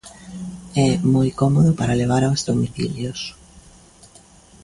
É moi cómodo para levar aos domicilios.